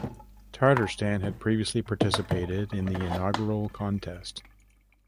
Tatarstan had previously participated in the inaugural contest.